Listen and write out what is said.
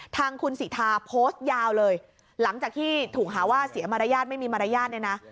ทางคุณสิทาโพสต์ยาวเลยหลังจากที่ถูกหาว่าเสียมารยาทไม่มีมารยาทเนี่ยนะ